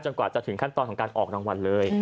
กว่าจะถึงขั้นตอนของการออกรางวัลเลย